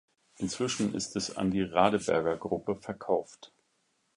Inzwischen ist es an die Radeberger Gruppe verkauft.